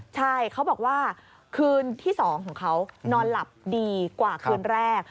ใช่เขาบอกว่าคืนที่๒ของเขานอนหลับดีกว่าคืนแรก